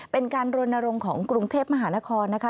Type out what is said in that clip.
เป็นการรณรงค์ของกรุงเทพมหานครนะคะ